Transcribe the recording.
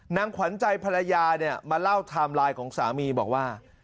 ขวัญใจภรรยาเนี่ยมาเล่าไทม์ไลน์ของสามีบอกว่า